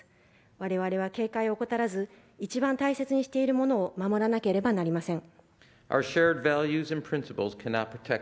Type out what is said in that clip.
我々は警戒を怠らず一番大切にしているものを守らなくてはなりません。